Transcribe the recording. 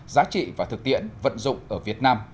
giá trị và thực tiễn vận dụng ở việt nam